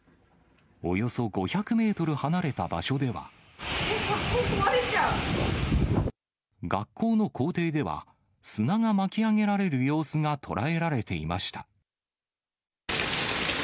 およそ５００メートル離れた場所学校、学校の校庭では、砂が巻き上げられる様子が捉えられていました。